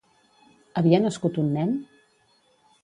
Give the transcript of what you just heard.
Havia nascut un nen?